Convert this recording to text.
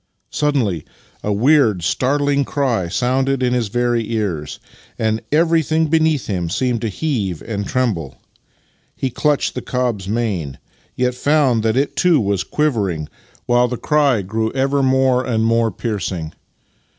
Suddenly a weird, startling cry sounded in his very ears, and everything beneath him seemed to heave and tremble. He clutched the cob's mane, yet found that that too was quivering, while the cry grew ever 54 Master and Man more and more piercing.